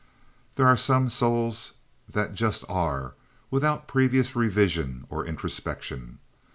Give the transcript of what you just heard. There are some souls that just are, without previous revision or introspection.